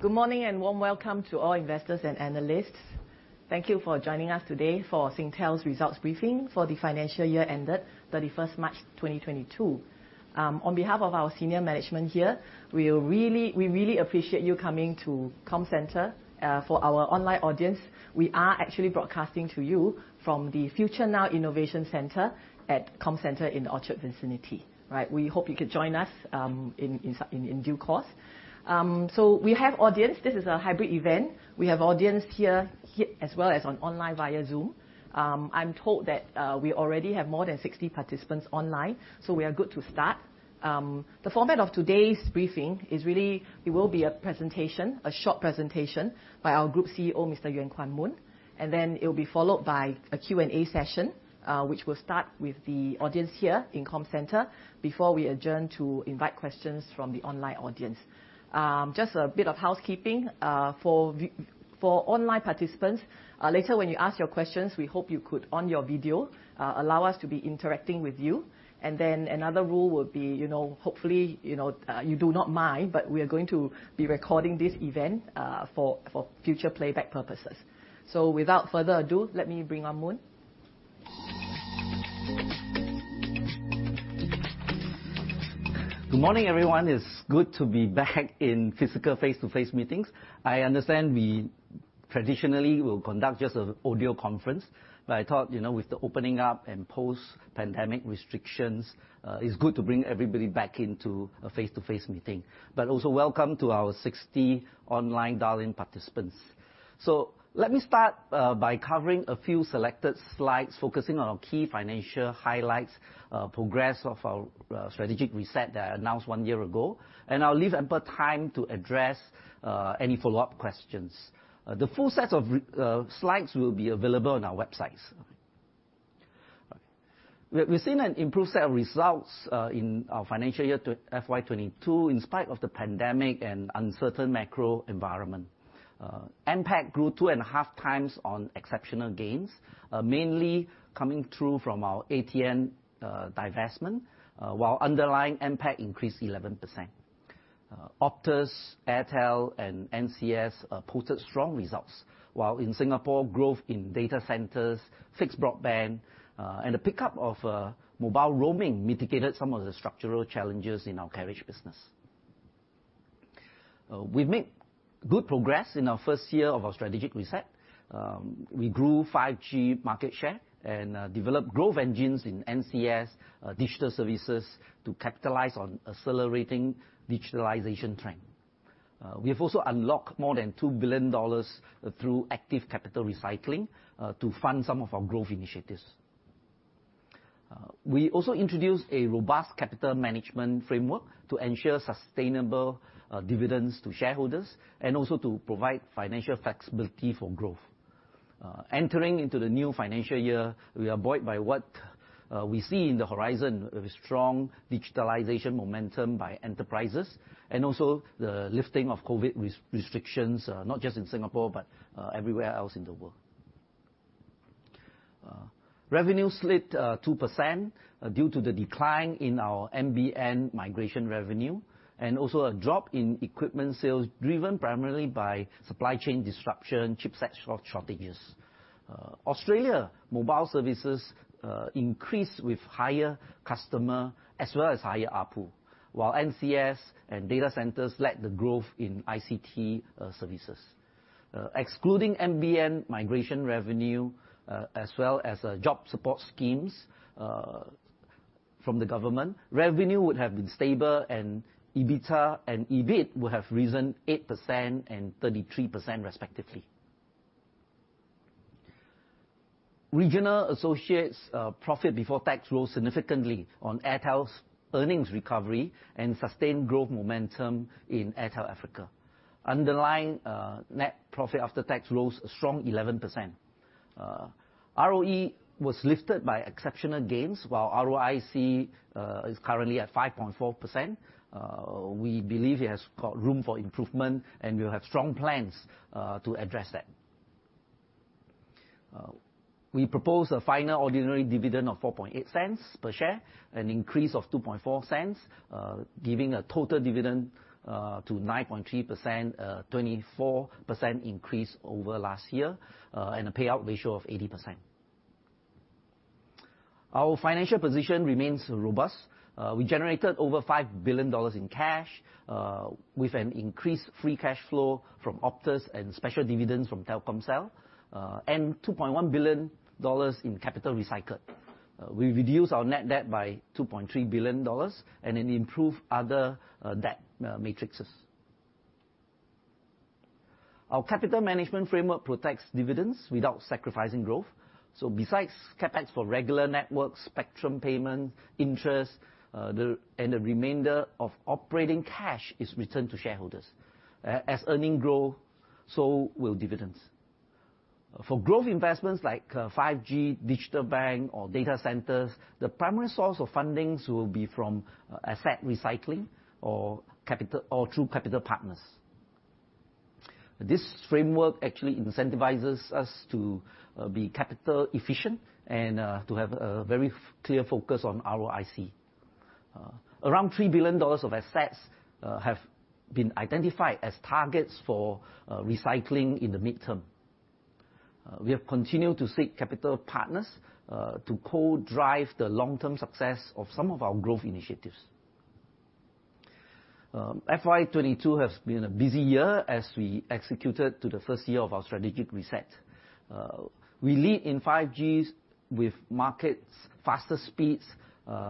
Good morning and warm welcome to all investors and analysts. Thank you for joining us today for Singtel's results briefing for the financial year ended 31st March 2022. On behalf of our senior management here, we really appreciate you coming to Comcentre. For our online audience, we are actually broadcasting to you from the Future Now Innovation Center at Comcentre in the Orchard vicinity. Right? We hope you could join us in due course. We have audience. This is a hybrid event. We have audience here as well as online via Zoom. I'm told that we already have more than 60 participants online, so we are good to start. The format of today's briefing is really it will be a presentation, a short presentation by our Group CEO, Mr. Yuen Kuan Moon. Then it will be followed by a Q&A session, which will start with the audience here in Comcentre before we adjourn to invite questions from the online audience. Just a bit of housekeeping. For online participants, later when you ask your questions, we hope you turn on your video, allow us to be interacting with you. Another rule would be, you know, hopefully, you do not mind, but we are going to be recording this event, for future playback purposes. Without further ado, let me bring on Moon. Good morning, everyone. It's good to be back in physical face-to-face meetings. I understand we traditionally will conduct just an audio conference, but I thought, you know, with the opening up and post-pandemic restrictions, it's good to bring everybody back into a face-to-face meeting. Also welcome to our 60 online dial-in participants. Let me start by covering a few selected slides focusing on our key financial highlights, progress of our strategic reset that I announced one year ago, and I'll leave ample time to address any follow-up questions. The full set of slides will be available on our websites. Okay. We've seen an improved set of results in our financial year to FY 2022 in spite of the pandemic and uncertain macro environment. NPAT grew 2.5x on exceptional gains, mainly coming through from our Amobee divestment, while underlying NPAT increased 11%. Optus, Airtel, and NCS posted strong results, while in Singapore, growth in data centers, fixed broadband, and a pickup of mobile roaming mitigated some of the structural challenges in our carriage business. We've made good progress in our first year of our strategic reset. We grew 5G market share and developed growth engines in NCS digital services to capitalize on accelerating digitalization trend. We have also unlocked more than $2 billion through active capital recycling to fund some of our growth initiatives. We also introduced a robust capital management framework to ensure sustainable dividends to shareholders and also to provide financial flexibility for growth. Entering into the new financial year, we are buoyed by what we see in the horizon with strong digitalization momentum by enterprises and also the lifting of COVID restrictions, not just in Singapore but everywhere else in the world. Revenue slid 2% due to the decline in our NBN migration revenue and also a drop in equipment sales driven primarily by supply chain disruption, chipset shortages. Australia mobile services increased with higher customer as well as higher ARPU, while NCS and data centers led the growth in ICT services. Excluding NBN migration revenue as well as job support schemes from the government, revenue would have been stable, and EBITDA and EBIT would have risen 8% and 33% respectively. Regional Associates profit before tax rose significantly on Airtel's earnings recovery and sustained growth momentum in Airtel Africa. Underlying net profit after tax rose a strong 11%. ROE was lifted by exceptional gains, while ROIC is currently at 5.4%. We believe it has got room for improvement, and we have strong plans to address that. We propose a final ordinary dividend of $0.048 per share, an increase of $0.024, giving a total dividend to $0.093, 24% increase over last year, and a payout ratio of 80%. Our financial position remains robust. We generated over 5 billion dollars in cash, with an increased free cash flow from Optus and special dividends from Telkomsel, and 2.1 billion dollars in capital recycled. We reduced our net debt by $2.3 billion and then improved other debt metrics. Our capital management framework protects dividends without sacrificing growth. Besides CapEx for regular network spectrum payment interest, and the remainder of operating cash is returned to shareholders. As earnings grow, so will dividends. For growth investments like 5G, digital bank or data centers, the primary source of funding will be from asset recycling or capital or through capital partners. This framework actually incentivizes us to be capital efficient and to have a very clear focus on ROIC. Around $3 billion of assets have been identified as targets for recycling in the medium term. We have continued to seek capital partners to co-drive the long-term success of some of our growth initiatives. FY 2022 has been a busy year as we executed to the first year of our strategic reset. We lead in 5G with market's faster speeds,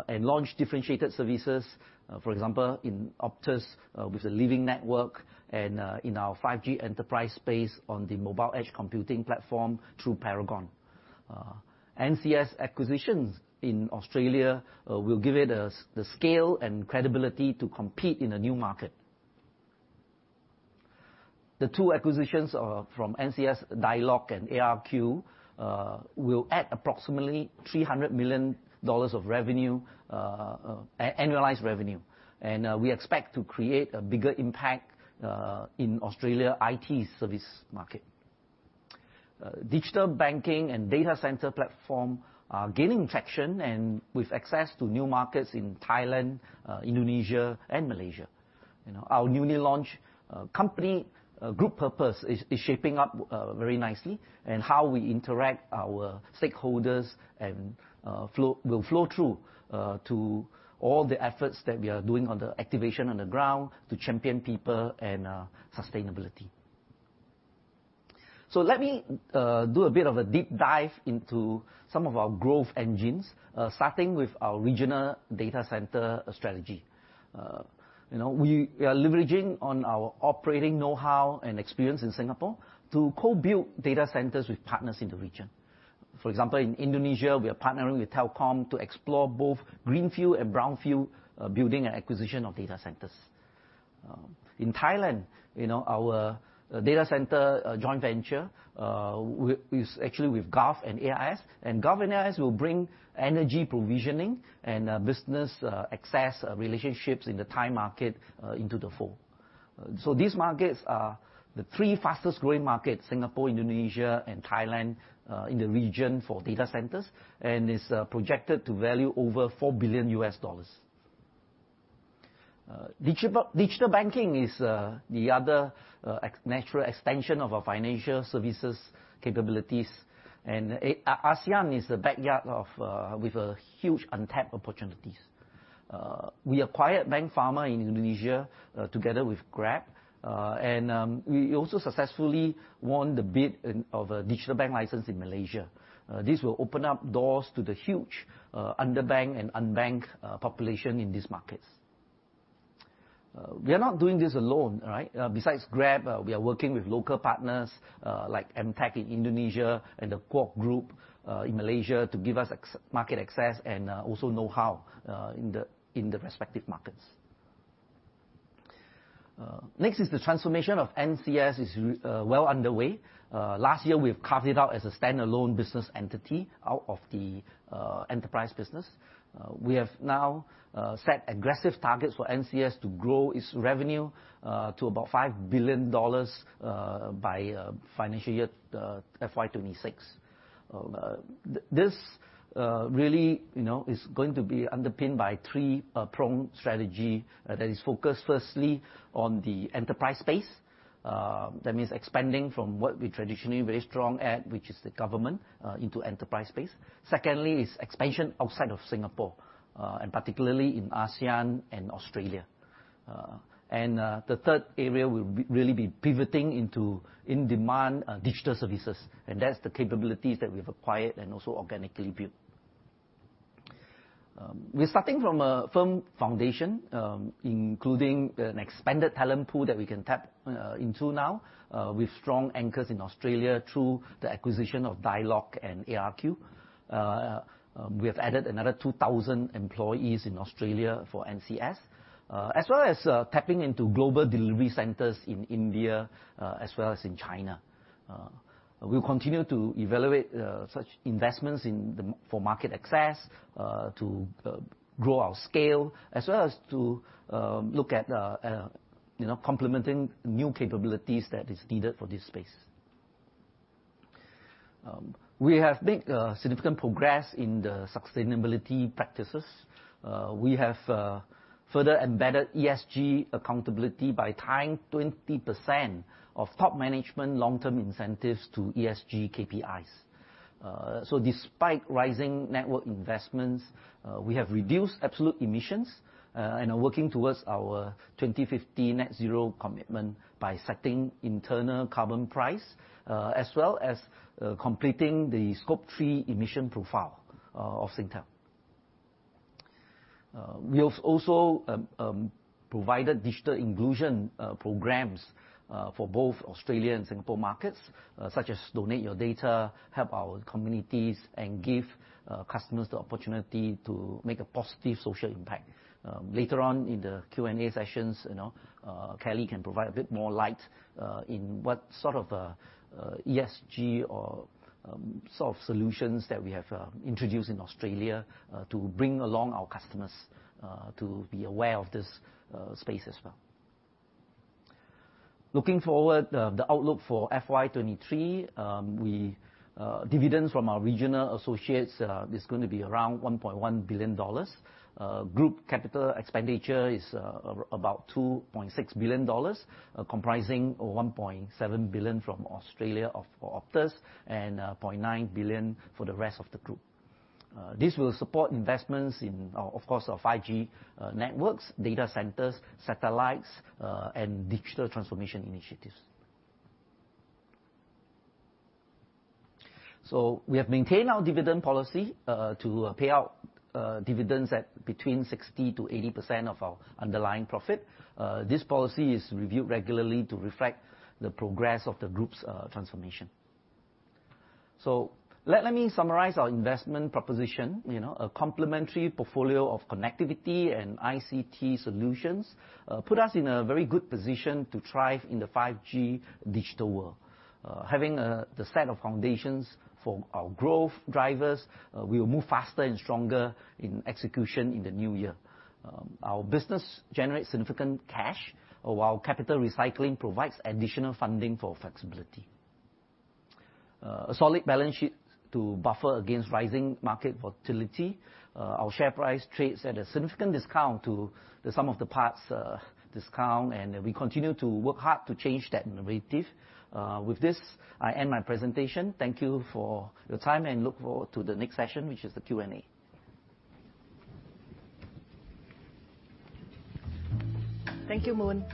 and launched differentiated services, for example, in Optus, with a living network and, in our 5G enterprise space on the mobile edge computing platform through Paragon. NCS acquisitions in Australia will give it the scale and credibility to compete in a new market. The two acquisitions, from NCS, Dialog and ARQ, will add approximately 300 million dollars of revenue, annualized revenue. We expect to create a bigger impact in Australian IT services market. Digital banking and data center platform are gaining traction and with access to new markets in Thailand, Indonesia, and Malaysia. You know, our newly launched company group purpose is shaping up very nicely and how we interact our stakeholders and flow will flow through to all the efforts that we are doing on the activation on the ground to champion people and sustainability. Let me do a bit of a deep dive into some of our growth engines, starting with our regional data center strategy. You know, we are leveraging on our operating know-how and experience in Singapore to co-build data centers with partners in the region. For example, in Indonesia, we are partnering with Telkom to explore both greenfield and brownfield building and acquisition of data centers. In Thailand, you know, our data center joint venture is actually with Gulf and AIS. Gulf and AIS will bring energy provisioning and business access relationships in the Thai market into the fold. These markets are the three fastest-growing markets, Singapore, Indonesia, and Thailand, in the region for data centers, and is projected to value over $4 billion. Digital banking is the other natural extension of our financial services capabilities, and ASEAN is the backyard of with huge untapped opportunities. We acquired Bank Fama in Indonesia together with Grab, and we also successfully won the bid for a digital bank license in Malaysia. This will open up doors to the huge underbanked and unbanked population in these markets. We are not doing this alone, right? Besides Grab, we are working with local partners like Emtek in Indonesia and the Kuok Group in Malaysia to give us market access and also know-how in the respective markets. Next is the transformation of NCS well underway. Last year we have carved it out as a standalone business entity out of the enterprise business. We have now set aggressive targets for NCS to grow its revenue to about 5 billion dollars by financial year FY 2026. This really, you know, is going to be underpinned by a three-pronged strategy that is focused firstly on the enterprise space. That means expanding from what we're traditionally very strong at, which is the government, into enterprise space. Secondly is expansion outside of Singapore, and particularly in ASEAN and Australia. The third area we'll really be pivoting into in-demand digital services, and that's the capabilities that we've acquired and also organically built. We're starting from a firm foundation, including an expanded talent pool that we can tap into now, with strong anchors in Australia through the acquisition of Dialog and ARQ. We have added another 2,000 employees in Australia for NCS, as well as tapping into global delivery centers in India, as well as in China. We'll continue to evaluate such investments for market access, to grow our scale, as well as to look at, you know, complementing new capabilities that is needed for these spaces. We have made significant progress in the sustainability practices. We have further embedded ESG accountability by tying 20% of top management long-term incentives to ESG KPIs. Despite rising network investments, we have reduced absolute emissions and are working towards our 2050 net zero commitment by setting internal carbon price as well as completing the Scope 3 emission profile of Singtel. We have also provided digital inclusion programs for both Australia and Singapore markets, such as Donate Your Data, help our communities, and give customers the opportunity to make a positive social impact. Later on in the Q&A sessions, you know, Kelly can provide a bit more light in what sort of ESG or sort of solutions that we have introduced in Australia to bring along our customers to be aware of this space as well. Looking forward, the outlook for FY 2023, dividends from our regional associates is gonna be around 1.1 billion dollars. Group capital expenditure is about 2.6 billion dollars, comprising 1.7 billion from Australia for Optus, and 0.9 billion for the rest of the group. This will support investments in, of course, our 5G networks, data centers, satellites, and digital transformation initiatives. We have maintained our dividend policy to payout dividends at between 60%-80% of our underlying profit. This policy is reviewed regularly to reflect the progress of the group's transformation. Let me summarize our investment proposition. You know, a complementary portfolio of connectivity and ICT solutions put us in a very good position to thrive in the 5G digital world. Having the set of foundations for our growth drivers, we will move faster and stronger in execution in the new year. Our business generates significant cash, while capital recycling provides additional funding for flexibility. A solid balance sheet to buffer against rising market volatility. Our share price trades at a significant discount to the sum of the parts discount, and we continue to work hard to change that narrative. With this, I end my presentation. Thank you for your time, and look forward to the next session, which is the Q&A. Thank you, Moon.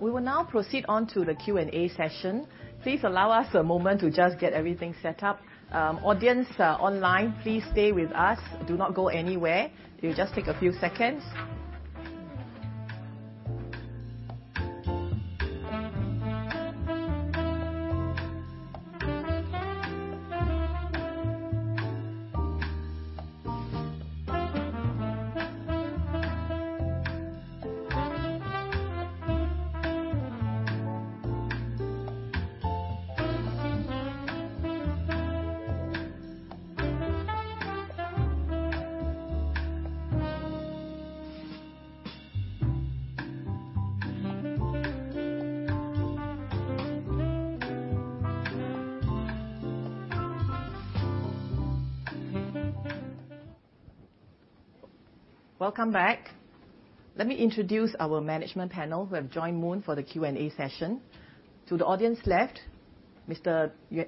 We will now proceed on to the Q&A session. Please allow us a moment to just get everything set up. Audience online, please stay with us. Do not go anywhere. It will just take a few seconds. Welcome back. Let me introduce our management panel, who have joined Moon for the Q&A session. To the audience left, Mr. Ng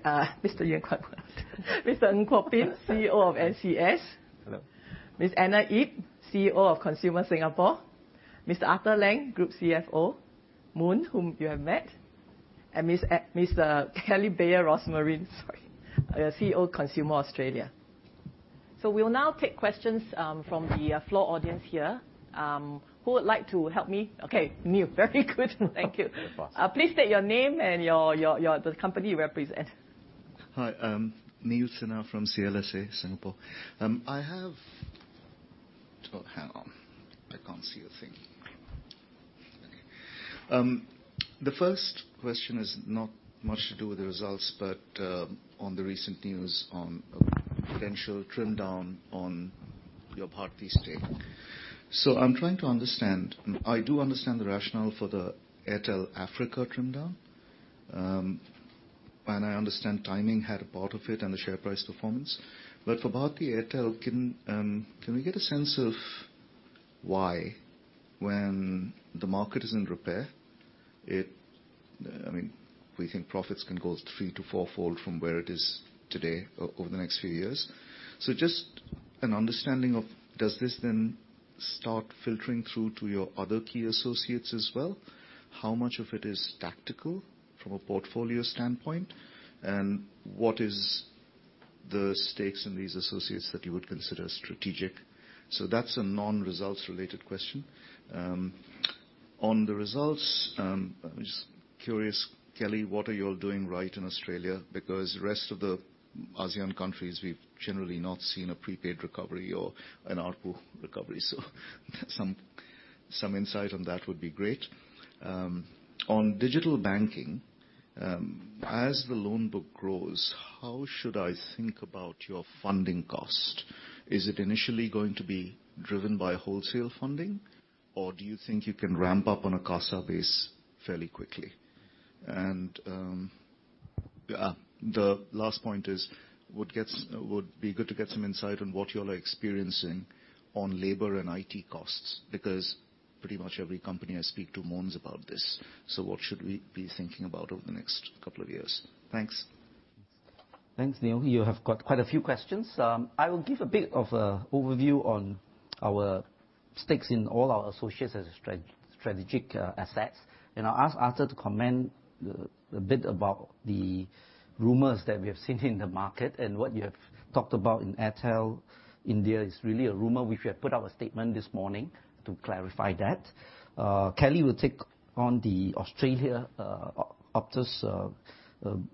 Kuo Pin, CEO of NCS. Hello. Ms. Anna Yip, CEO of Consumer Singapore. Mr. Arthur Lang, Group CFO. Moon, whom you have met. Ms. Kelly Bayer Rosmarin, CEO of Consumer Australia. We will now take questions from the floor audience here. Who would like to help me? Okay, Neel. Very good. Thank you. No problem. Please state your name and the company you represent. Hi, I'm Neel Sinha from CLSA, Singapore. The first question is not much to do with the results, but on the recent news on a potential trim down on your Bharti Airtel stake. I'm trying to understand. I do understand the rationale for the Airtel Africa trim down. I understand timing had a part of it and the share price performance. For Bharti Airtel, can we get a sense of why, when the market is in repair, I mean, we think profits can go three to four fold from where it is today over the next few years. Just an understanding of does this then start filtering through to your other key associates as well? How much of it is tactical from a portfolio standpoint? What is the stakes in these associates that you would consider strategic? That's a non-results related question. On the results, I'm just curious, Kelly, what are y'all doing right in Australia? Because the rest of the ASEAN countries, we've generally not seen a prepaid recovery or an ARPU recovery. Some insight on that would be great. On digital banking, as the loan book grows, how should I think about your funding cost? Is it initially going to be driven by wholesale funding, or do you think you can ramp up on a CASA base fairly quickly? The last point is what would be good to get some insight on what y'all are experiencing on labor and IT costs, because pretty much every company I speak to moans about this. What should we be thinking about over the next couple of years? Thanks. Thanks, Neel. You have got quite a few questions. I will give a bit of a overview on our stakes in all our associates as a strategic assets. I'll ask Arthur to comment a bit about the rumors that we have seen in the market and what you have talked about in Airtel India is really a rumor. We have put out a statement this morning to clarify that. Kelly will take on the Australia Optus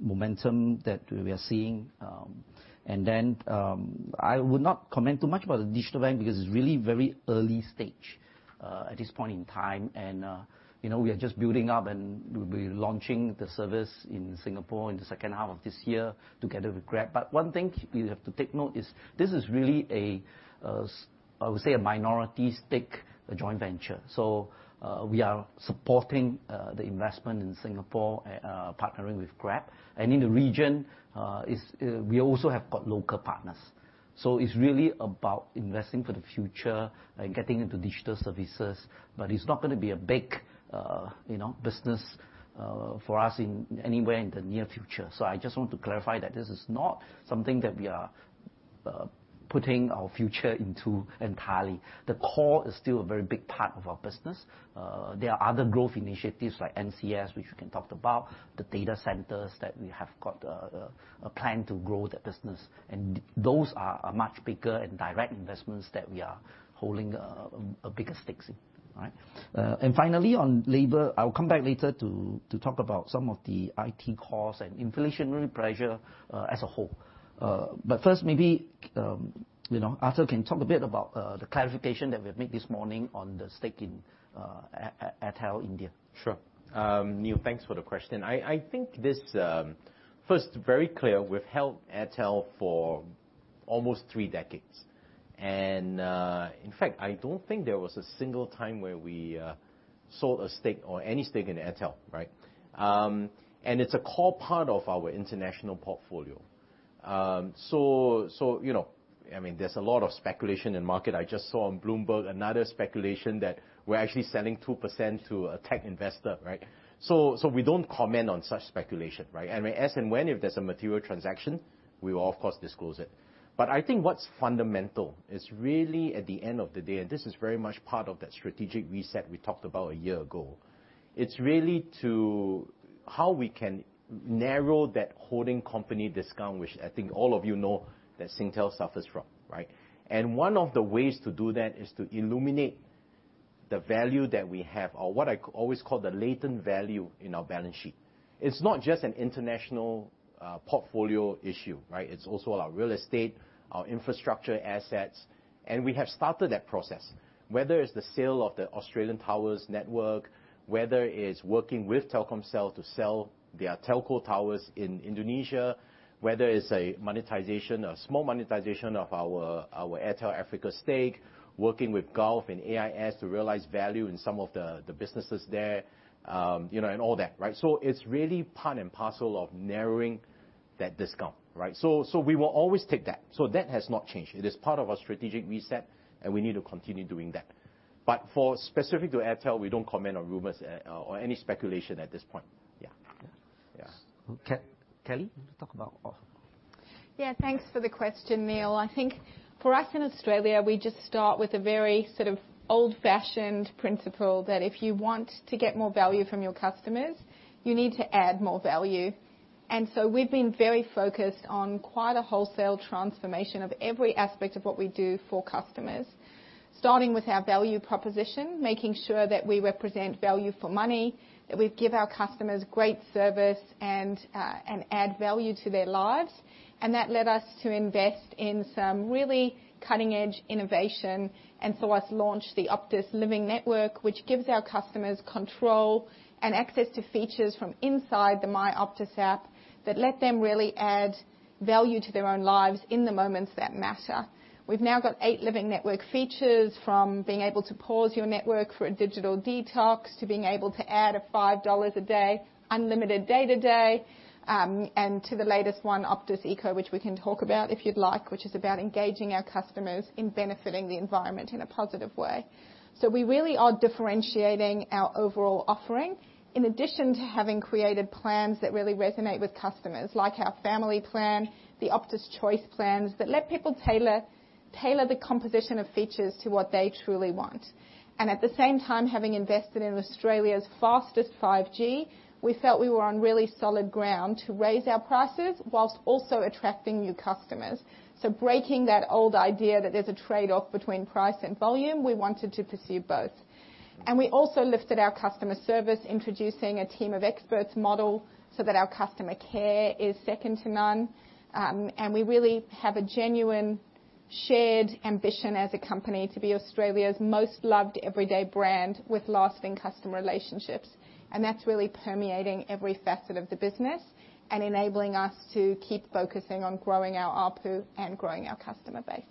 momentum that we are seeing. I would not comment too much about the digital bank because it's really very early stage at this point in time. You know, we are just building up, and we'll be launching the service in Singapore in the second half of this year together with Grab. One thing you have to take note is this is really a, I would say, a minority stake joint venture. We are supporting the investment in Singapore, partnering with Grab. In the region, we also have got local partners. It's really about investing for the future and getting into digital services, but it's not gonna be a big, you know, business for us in anywhere in the near future. I just want to clarify that this is not something that we are putting our future into entirely. The core is still a very big part of our business. There are other growth initiatives like NCS, which we can talk about, the data centers that we have got, a plan to grow that business, and those are a much bigger and direct investments that we are holding a bigger stakes in, right? Finally, on labor, I'll come back later to talk about some of the IT costs and inflationary pressure, as a whole. First maybe, you know, Arthur can talk a bit about the clarification that we've made this morning on the stake in Bharti Airtel. Sure. Neel, thanks for the question. I think this, first, very clear, we've held Airtel for almost three decades, and in fact, I don't think there was a single time where we sold a stake or any stake in Airtel, right? It's a core part of our international portfolio. You know, I mean, there's a lot of speculation in market. I just saw on Bloomberg another speculation that we're actually selling 2% to a tech investor, right? We don't comment on such speculation, right? I mean, as in when, if there's a material transaction, we will of course disclose it. I think what's fundamental is really at the end of the day, and this is very much part of that strategic reset we talked about a year ago, it's really to how we can narrow that holding company discount, which I think all of you know that Singtel suffers from, right? One of the ways to do that is to illuminate the value that we have or what I always call the latent value in our balance sheet. It's not just an international, portfolio issue, right? It's also our real estate, our infrastructure assets, and we have started that process. Whether it's the sale of the Australian towers network, whether it's working with Telkomsel to sell their telco towers in Indonesia, whether it's a monetization, a small monetization of our Airtel Africa stake, working with Gulf and AIS to realize value in some of the businesses there, you know, and all that, right? It's really part and parcel of narrowing that discount, right? We will always take that. That has not changed. It is part of our strategic reset, and we need to continue doing that. For specific to Airtel, we don't comment on rumors or any speculation at this point. Yeah. Yeah. Yeah. Kelly, you talk about. Yeah. Thanks for the question, Neel. I think for us in Australia, we just start with a very sort of old-fashioned principle that if you want to get more value from your customers, you need to add more value. We've been very focused on quite a wholesale transformation of every aspect of what we do for customers, starting with our value proposition, making sure that we represent value for money, that we give our customers great service, and add value to their lives. That led us to invest in some really cutting-edge innovation, and so we launched the Optus Living Network, which gives our customers control and access to features from inside the My Optus app that let them really add value to their own lives in the moments that matter. We've now got eight Living Network features, from being able to pause your network for a digital detox to being able to add a 5 dollars a day unlimited day-to-day, and to the latest one, Optus Eco, which we can talk about if you'd like, which is about engaging our customers in benefiting the environment in a positive way. We really are differentiating our overall offering, in addition to having created plans that really resonate with customers, like our family plan, the Optus Choice plans, that let people tailor the composition of features to what they truly want. At the same time, having invested in Australia's fastest 5G, we felt we were on really solid ground to raise our prices while also attracting new customers. Breaking that old idea that there's a trade-off between price and volume, we wanted to pursue both. We also lifted our customer service, introducing a team of experts model so that our customer care is second to none. We really have a genuine shared ambition as a company to be Australia's most loved everyday brand with lasting customer relationships. That's really permeating every facet of the business and enabling us to keep focusing on growing our ARPU and growing our customer base.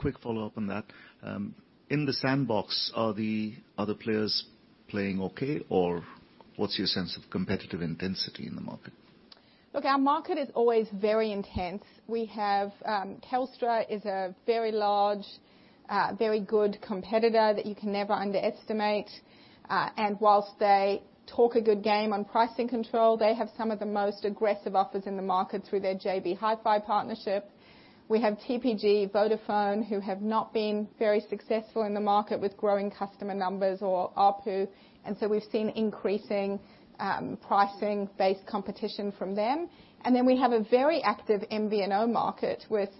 A quick follow-up on that. In the sandbox, are the players playing okay, or what's your sense of competitive intensity in the market? Look, our market is always very intense. We have, Telstra is a very large, very good competitor that you can never underestimate. Whilst they talk a good game on pricing control, they have some of the most aggressive offers in the market through their JV Hyfy partnership. We have TPG, Vodafone, who have not been very successful in the market with growing customer numbers or ARPU, and so we've seen increasing, pricing-based competition from them. We have a very active MVNO market with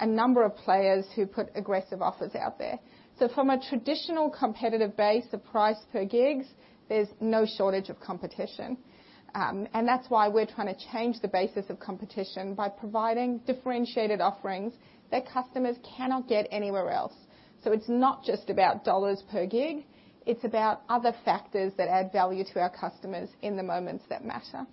a number of players who put aggressive offers out there. From a traditional competitive base of price per gigs, there's no shortage of competition. That's why we're trying to change the basis of competition by providing differentiated offerings that customers cannot get anywhere else. It's not just about dollars per gig, it's about other factors that add value to our customers in the moments that matter.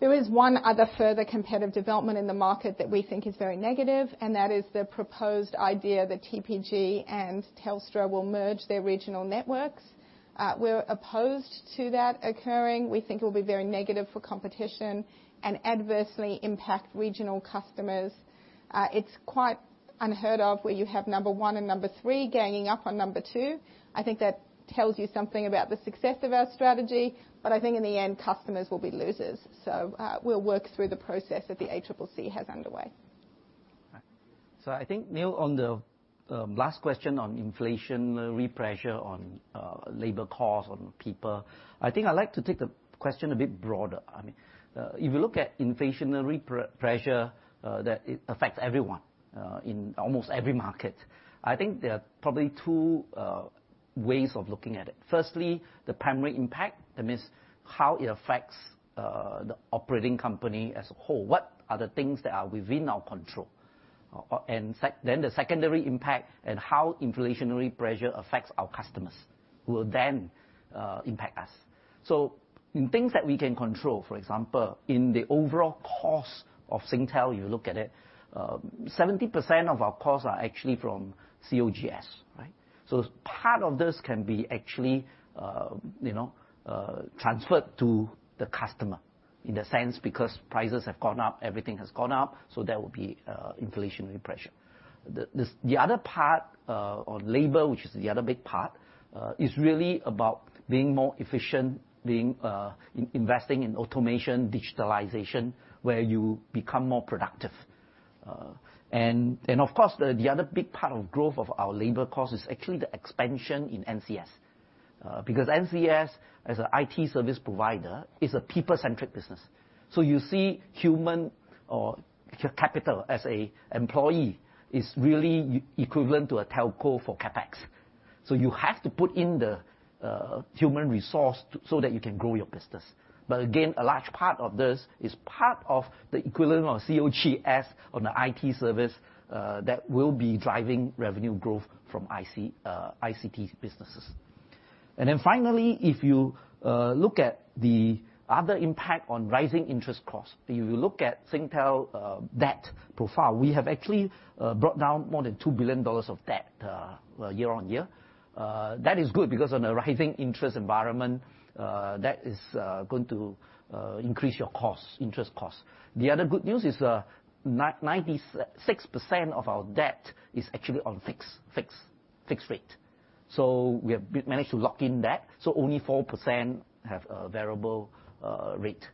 There is one other further competitive development in the market that we think is very negative, and that is the proposed idea that TPG and Telstra will merge their regional networks. We're opposed to that occurring. We think it will be very negative for competition and adversely impact regional customers. It's quite unheard of, where you have number one and number three ganging up on number two. I think that tells you something about the success of our strategy. I think in the end, customers will be losers. We'll work through the process that the ACCC has underway. I think, Neel, on the last question on inflation pressure on labor costs on people, I think I'd like to take the question a bit broader. I mean, if you look at inflationary pressure, that it affects everyone in almost every market. I think there are probably two ways of looking at it. Firstly, the primary impact, that means how it affects the operating company as a whole. What are the things that are within our control? Or, and then the secondary impact and how inflationary pressure affects our customers will then impact us. In things that we can control, for example, in the overall cost of Singtel, you look at it, 70% of our costs are actually from COGS, right? Part of this can be actually transferred to the customer in a sense, because prices have gone up, everything has gone up, so there will be inflationary pressure. The other part on labor, which is the other big part, is really about being more efficient, being investing in automation, digitalization, where you become more productive. Of course, the other big part of growth of our labor cost is actually the expansion in NCS. Because NCS, as an IT service provider, is a people-centric business. You see human capital as an employee is really equivalent to a telco for CapEx. You have to put in the human resource so that you can grow your business. Again, a large part of this is part of the equivalent of COGS on the IT services that will be driving revenue growth from ICT businesses. Finally, if you look at the other impact on rising interest costs. If you look at Singtel debt profile, we have actually brought down more than 2 billion dollars of debt year on year. That is good because on a rising interest environment that is going to increase your costs, interest costs. The other good news is 96% of our debt is actually on fixed rate. We have managed to lock in debt. Only 4% have a variable rate.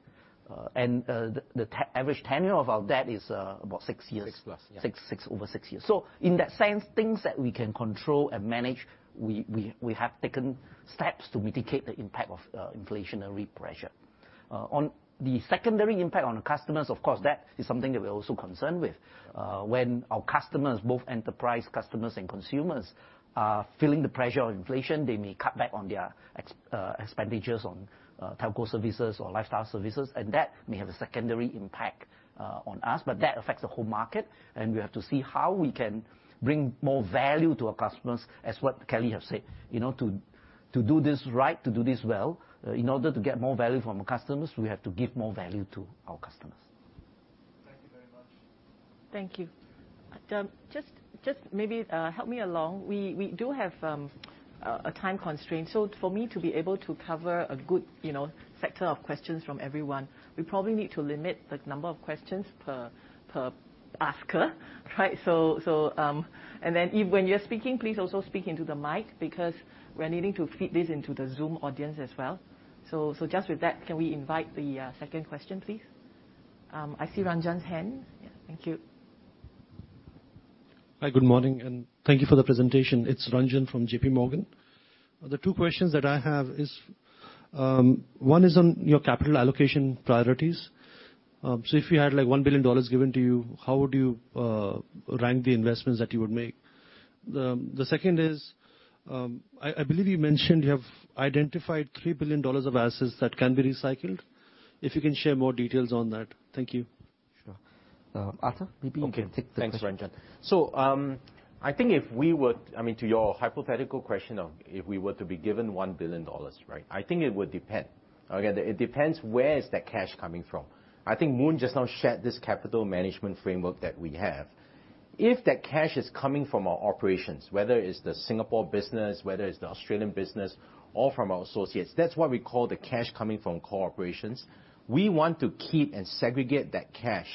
The average tenure of our debt is about six years. 6+, yeah. Over six years. In that sense, things that we can control and manage, we have taken steps to mitigate the impact of inflationary pressure. On the secondary impact on the customers, of course, that is something that we're also concerned with. When our customers, both enterprise customers and consumers, are feeling the pressure of inflation, they may cut back on their expenditures on telco services or lifestyle services, and that may have a secondary impact on us, but that affects the whole market and we have to see how we can bring more value to our customers, as what Kelly have said. You know, to do this right, to do this well, in order to get more value from our customers, we have to give more value to our customers. Thank you very much. Thank you. Just maybe, help me along. We do have a time constraint. For me to be able to cover a good, you know, sector of questions from everyone, we probably need to limit the number of questions per asker. Right? When you're speaking, please also speak into the mic because we're needing to feed this into the Zoom audience as well. Just with that, can we invite the second question, please? I see Ranjan's hand. Yeah. Thank you. Hi, good morning, and thank you for the presentation. It's Ranjan from JPMorgan. The two questions that I have is, one is on your capital allocation priorities. If you had like $1 billion given to you, how would you rank the investments that you would make? The second is, I believe you mentioned you have identified $3 billion of assets that can be recycled. If you can share more details on that. Thank you. Sure. Arthur, maybe you can take the first. Okay. Thanks, Ranjan. I think, I mean, to your hypothetical question of if we were to be given $1 billion, right? I think it would depend. Okay. It depends where is that cash coming from. I think Yuen Kuan Moon just now shared this capital management framework that we have. If that cash is coming from our operations, whether it's the Singapore business, whether it's the Australian business or from our associates, that's what we call the cash coming from core operations. We want to keep and segregate that cash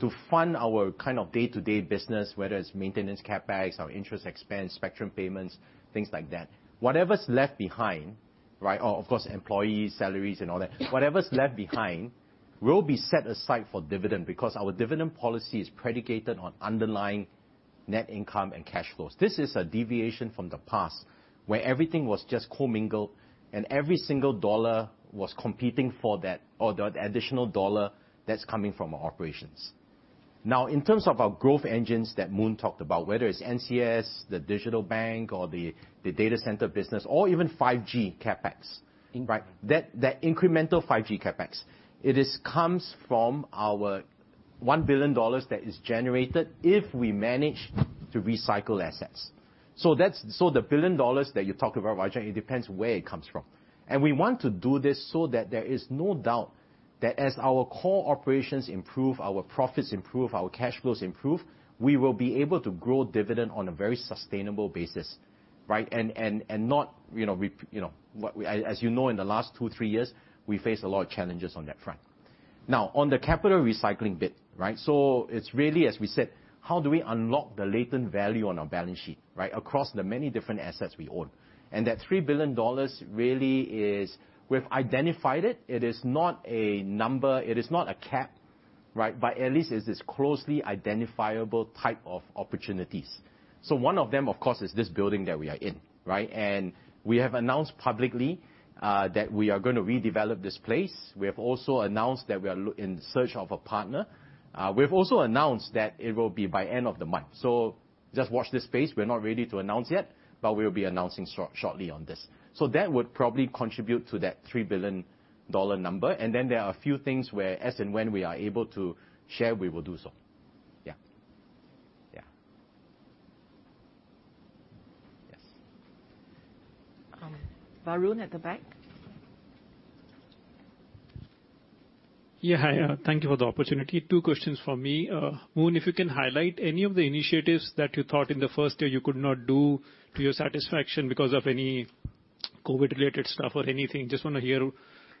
to fund our kind of day-to-day business, whether it's maintenance CapEx or interest expense, spectrum payments, things like that. Whatever's left behind, right, or of course, employees, salaries and all that. Whatever's left behind will be set aside for dividend because our dividend policy is predicated on underlying net income and cash flows. This is a deviation from the past, where everything was just commingled and every single dollar was competing for that or the additional dollar that's coming from our operations. In terms of our growth engines that Moon talked about, whether it's NCS, the digital bank or the data center business or even 5G CapEx. That incremental 5G CapEx comes from our $1 billion that is generated if we manage to recycle assets. The billion dollars that you talked about, Vijay, it depends where it comes from. We want to do this so that there is no doubt that as our core operations improve, our profits improve, our cash flows improve, we will be able to grow dividend on a very sustainable basis, right? As you know, in the last two, three years, we faced a lot of challenges on that front. Now, on the capital recycling bit, right? It's really, as we said, how do we unlock the latent value on our balance sheet, right? Across the many different assets we own. That 3 billion dollars really is, we've identified it. It is not a number, it is not a cap, right? At least it's this closely identifiable type of opportunities. One of them, of course, is this building that we are in, right? We have announced publicly that we are gonna redevelop this place. We have also announced that we are in search of a partner. We've also announced that it will be by end of the month. Just watch this space. We're not ready to announce yet, but we'll be announcing shortly on this. That would probably contribute to that $3 billion number. Then there are a few things where as and when we are able to share, we will do so. Varun at the back. Yeah. Hi, thank you for the opportunity. Two questions for me. Moon, if you can highlight any of the initiatives that you thought in the first year you could not do to your satisfaction because of any COVID-related stuff or anything? Just wanna hear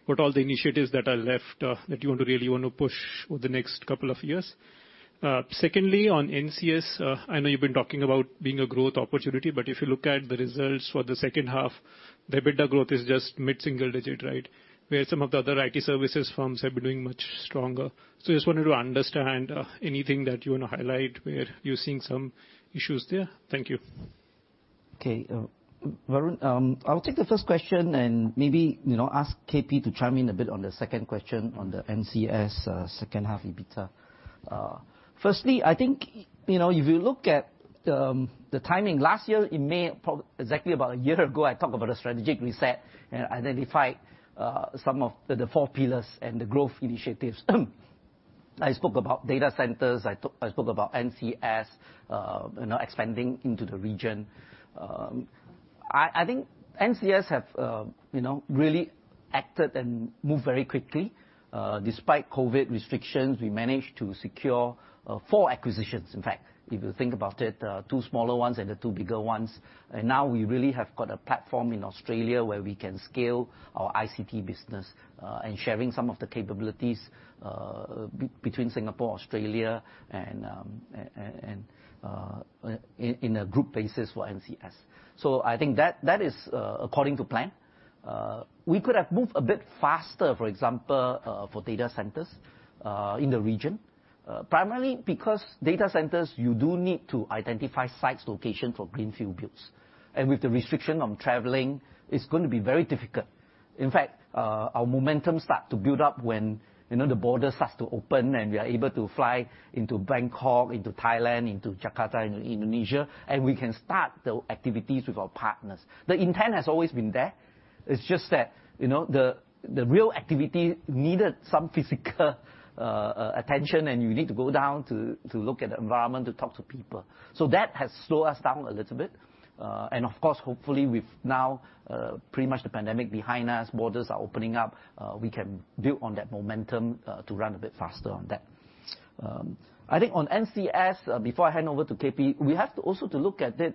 what all the initiatives that are left, that you want to really push over the next couple of years. Secondly, on NCS, I know you've been talking about being a growth opportunity, but if you look at the results for the second half, the EBITDA growth is just mid-single digit, right? Where some of the other IT services firms have been doing much stronger. Just wanted to understand, anything that you wanna highlight where you're seeing some issues there. Thank you. Okay. Varun, I'll take the first question and maybe, you know, ask KP to chime in a bit on the second question on the NCS second half EBITDA. Firstly, I think, you know, if you look at the timing, last year in May, exactly about a year ago, I talked about a strategic reset and identified some of the four pillars and the growth initiatives. I spoke about data centers. I spoke about NCS, you know, expanding into the region. I think NCS have, you know, really acted and moved very quickly. Despite COVID restrictions, we managed to secure four acquisitions in fact. If you think about it, two smaller ones and the two bigger ones. Now we really have got a platform in Australia where we can scale our ICT business, and sharing some of the capabilities between Singapore, Australia, and in a group basis for NCS. I think that is according to plan. We could have moved a bit faster, for example, for data centers in the region. Primarily because data centers, you do need to identify site locations for greenfield builds. With the restriction on traveling, it's gonna be very difficult. In fact, our momentum start to build up when the border starts to open and we are able to fly into Bangkok, into Thailand, into Jakarta, into Indonesia, and we can start the activities with our partners. The intent has always been there. It's just that, you know, the real activity needed some physical attention, and you need to go down to look at the environment, to talk to people. That has slowed us down a little bit. Of course, hopefully, with now pretty much the pandemic behind us, borders are opening up, we can build on that momentum to run a bit faster on that. I think on NCS, before I hand over to KP, we have to also look at it,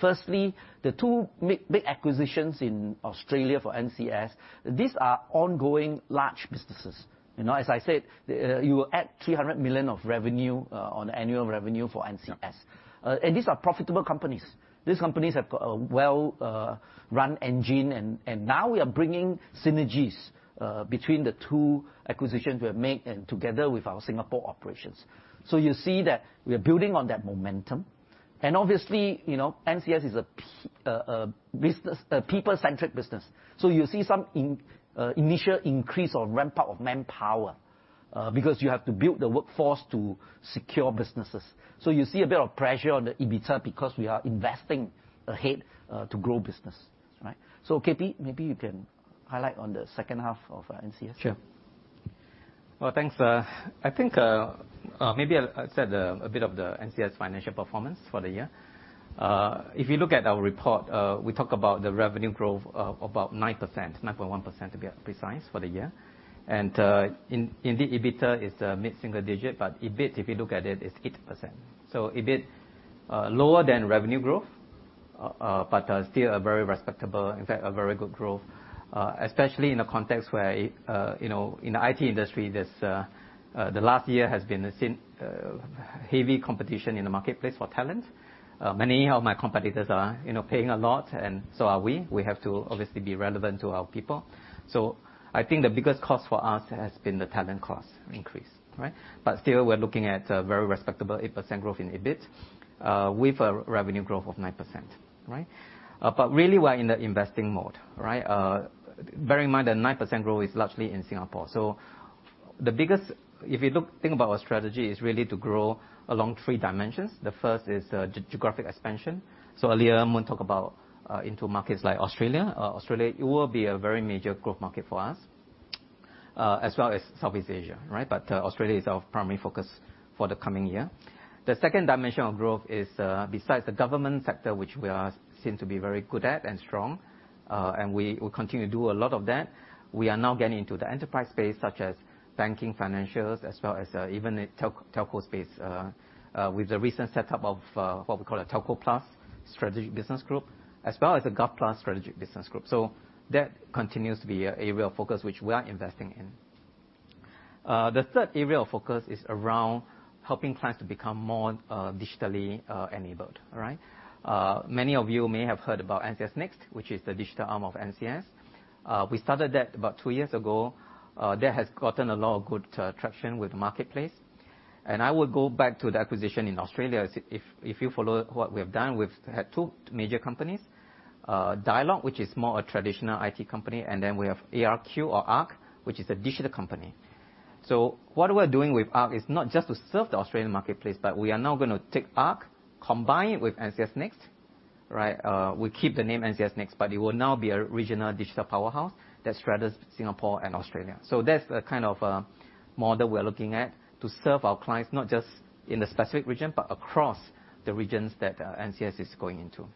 firstly, the two big acquisitions in Australia for NCS. These are ongoing large businesses. You know, as I said, you add 300 million of revenue on annual revenue for NCS. These are profitable companies. These companies have got a well run engine, and now we are bringing synergies between the two acquisitions we have made and together with our Singapore operations. You see that we are building on that momentum. Obviously, you know, NCS is a business, a people-centric business. You see some initial increase or ramp-up of manpower because you have to build the workforce to secure businesses. You see a bit of pressure on the EBITDA because we are investing ahead to grow business, right? KP, maybe you can highlight on the second half of NCS. Sure. Well, thanks, I think, maybe I'll say a bit of the NCS financial performance for the year. If you look at our report, we talk about the revenue growth of about 9%, 9.1% to be precise, for the year. Indeed, EBITDA is the mid-single digit, but EBIT, if you look at it, is 8%. EBIT lower than revenue growth, but still a very respectable, in fact, a very good growth, especially in a context where, you know, in the IT industry, the last year has been a heavy competition in the marketplace for talent. Many of my competitors are, you know, paying a lot, and so are we. We have to obviously be relevant to our people. I think the biggest cost for us has been the talent cost increase, right? Still, we're looking at a very respectable 8% growth in EBIT, with a revenue growth of 9%, right? Really, we're in the investing mode, right? Bear in mind that 9% growth is largely in Singapore. If you look, think about our strategy is really to grow along three dimensions. The first is geographic expansion. Earlier, Moon talked about into markets like Australia. Australia, it will be a very major growth market for us. As well as Southeast Asia, right? Australia is our primary focus for the coming year. The second dimension of growth is besides the government sector, which we seem to be very good at and strong, and we continue to do a lot of that. We are now getting into the enterprise space, such as banking, financials, as well as even a telco space. With the recent setup of what we call a telco plus strategic business group, as well as a Gov+ strategic business group. That continues to be an area of focus which we are investing in. The third area of focus is around helping clients to become more digitally enabled. All right? Many of you may have heard about NCS NEXT, which is the digital arm of NCS. We started that about two years ago. That has gotten a lot of good traction with the marketplace. I would go back to the acquisition in Australia. If you follow what we have done, we've had two major companies. Dialog, which is more a traditional IT company, and then we have ARQ, which is a digital company. What we're doing with ARQ is not just to serve the Australian marketplace, but we are now gonna take ARQ, combine it with NCS NEXT, right? We keep the name NCS NEXT, but it will now be a regional digital powerhouse that straddles Singapore and Australia. That's the kind of a model we're looking at to serve our clients, not just in the specific region, but across the regions that NCS is going into.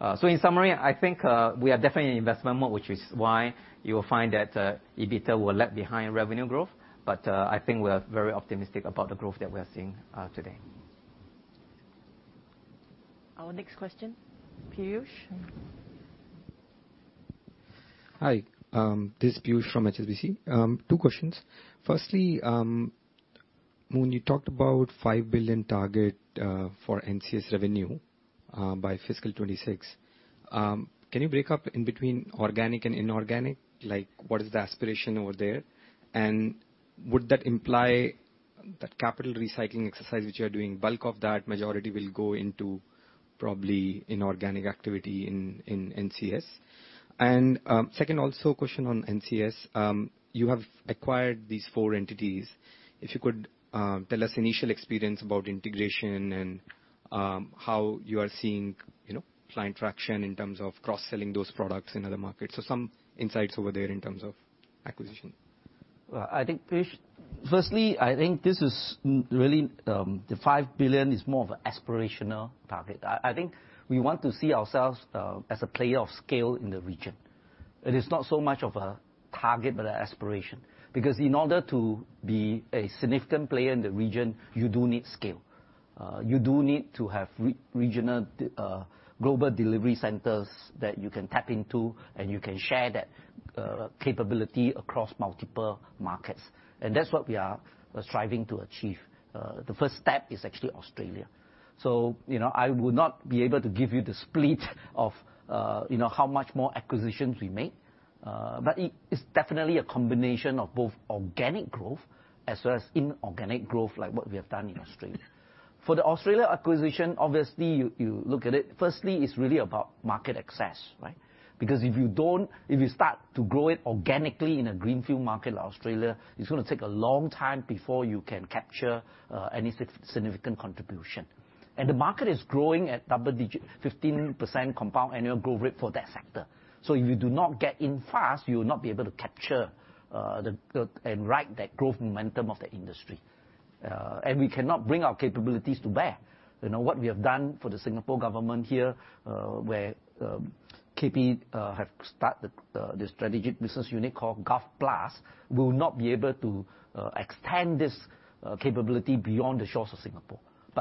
In summary, I think we are definitely in investment mode, which is why you will find that EBITDA will lag behind revenue growth. I think we're very optimistic about the growth that we're seeing today. Our next question, Piyush. Hi, this is Piyush from HSBC. Two questions. Firstly, when you talked about 5 billion target for NCS revenue by fiscal 2026, can you break up in between organic and inorganic? Like, what is the aspiration over there? Would that imply that capital recycling exercise which you are doing, bulk of that majority will go into probably inorganic activity in NCS? Second, also a question on NCS. You have acquired these four entities. If you could tell us initial experience about integration and how you are seeing, you know, client traction in terms of cross-selling those products in other markets. So some insights over there in terms of acquisition. Well, I think, Piyush, firstly, I think this is really, the 5 billion is more of an aspirational target. I think we want to see ourselves as a player of scale in the region. It is not so much of a target but an aspiration. Because in order to be a significant player in the region, you do need scale. You do need to have regional global delivery centers that you can tap into, and you can share that capability across multiple markets. And that's what we are striving to achieve. The first step is actually Australia. You know, I would not be able to give you the split of, you know, how much more acquisitions we make. But it's definitely a combination of both organic growth as well as inorganic growth, like what we have done in Australia. For the Australia acquisition, obviously, you look at it, firstly, it's really about market access, right? Because if you don't, if you start to grow it organically in a greenfield market like Australia, it's gonna take a long time before you can capture any significant contribution. The market is growing at double-digit 15% compound annual growth rate for that sector. If you do not get in fast, you will not be able to capture and ride that growth momentum of the industry. We cannot bring our capabilities to bear. You know, what we have done for the Singapore government here, where KP have started the strategic business unit called Gov+, we will not be able to extend this capability beyond the shores of Singapore.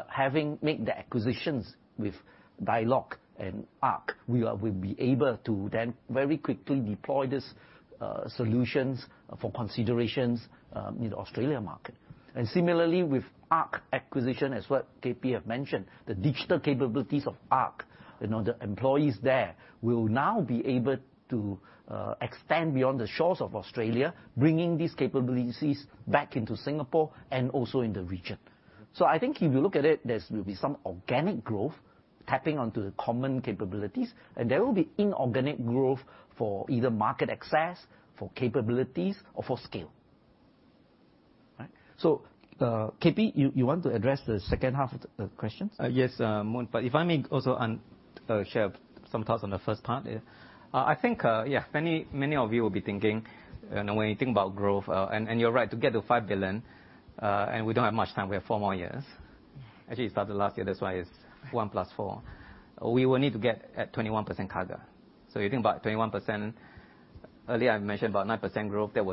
Having made the acquisitions with Dialog and ARQ, we'll be able to then very quickly deploy these solutions for considerations in the Australian market. Similarly, with ARQ acquisition, as what KP has mentioned, the digital capabilities of ARQ, you know, the employees there will now be able to extend beyond the shores of Australia, bringing these capabilities back into Singapore and also in the region. I think if you look at it, there will be some organic growth tapping onto the common capabilities, and there will be inorganic growth for either market access, for capabilities or for scale. Right? KP, you want to address the second half of the question? Yes, Moon. If I may also share some thoughts on the first part, yeah. I think, yeah, many of you will be thinking, when you think about growth, and you're right, to get to 5 billion, and we don't have much time, we have four more years. Actually, it started last year, that's why it's 1 + 4. We will need to get a 21% CAGR. You think about 21%. Earlier, I mentioned about 9% growth, that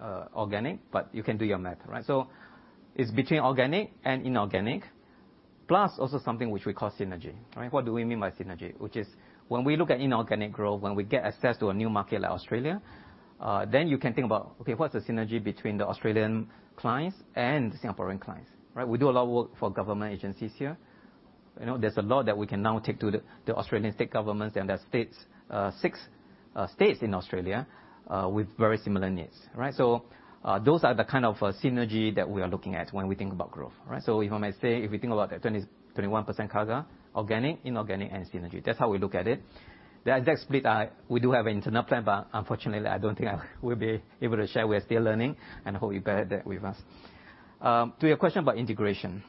was organic, but you can do your math, right? It's between organic and inorganic, plus also something which we call synergy. Right? What do we mean by synergy? Which is when we look at inorganic growth, when we get access to a new market like Australia, then you can think about, okay, what's the synergy between the Australian clients and the Singaporean clients? Right? We do a lot of work for government agencies here. You know, there's a lot that we can now take to the Australian state governments and their states, six states in Australia, with very similar needs. Right? So, those are the kind of synergy that we are looking at when we think about growth. Right? So if I may say, if we think about the 21% CAGR, organic, inorganic and synergy. That's how we look at it. The split, we do have internal plan, but unfortunately, I don't think I will be able to share. We are still learning and hope you bear that with us. To your question about integration.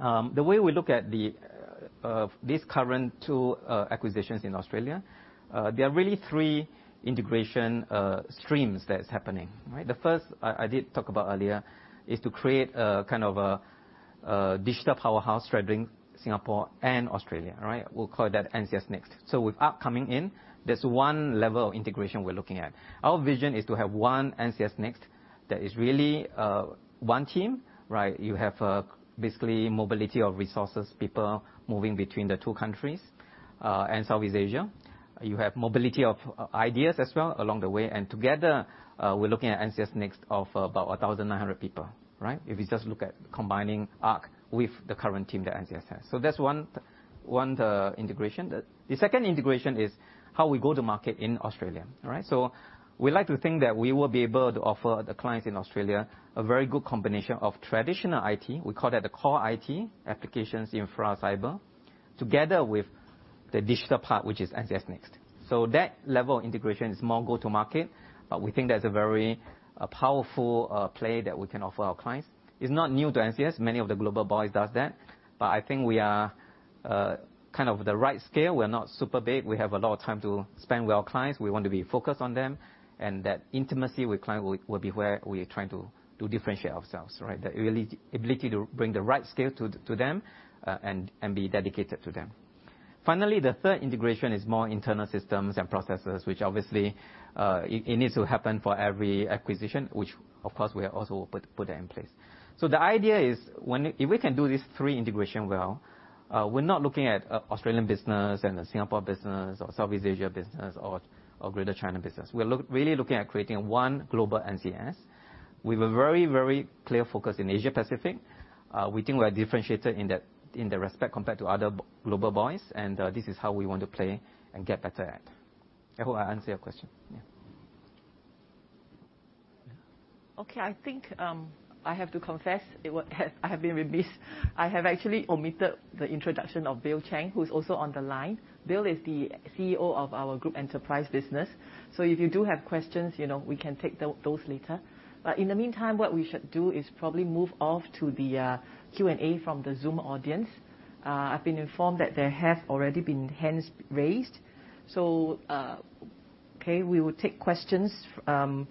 The way we look at this current two acquisitions in Australia, there are really three integration streams that is happening, right? The first I did talk about earlier is to create a kind of digital powerhouse straddling Singapore and Australia, right? We'll call that NCS NEXT. So with ARQ coming in, there's one level of integration we're looking at. Our vision is to have one NCS NEXT that is really one team, right? You have basically mobility of resources, people moving between the two countries and Southeast Asia. You have mobility of ideas as well along the way, and together we're looking at NCS NEXT of about 1,900 people, right? If you just look at combining ARQ with the current team that NCS has. So that's one integration. The second integration is how we go to market in Australia, all right? We like to think that we will be able to offer the clients in Australia a very good combination of traditional IT, we call that the core IT applications in infrastructure and cyber, together with the digital part, which is NCS NEXT. That level of integration is more go to market, but we think that's a very powerful play that we can offer our clients. It's not new to NCS. Many of the global boys does that. But I think we are kind of the right scale. We're not super big. We have a lot of time to spend with our clients. We want to be focused on them. That intimacy with client will be where we are trying to differentiate ourselves, right? The ability to bring the right scale to them and be dedicated to them. Finally, the third integration is more internal systems and processes, which obviously it needs to happen for every acquisition, which of course, we have also put in place. The idea is if we can do these three integration well, we're not looking at Australian business and the Singapore business or Southeast Asia business or Greater China business. We're really looking at creating one global NCS. We've a very clear focus in Asia-Pacific. We think we are differentiated in the respect compared to other global boys, and this is how we want to play and get better at. I hope I answer your question. Yeah. Okay. I think I have to confess, I have been remiss. I have actually omitted the introduction of Bill Chang, who's also on the line. Bill is the CEO of our group enterprise business. If you do have questions, you know, we can take those later. In the meantime, what we should do is probably move on to the Q&A from the Zoom audience. I've been informed that there have already been hands raised. Okay, we will take questions from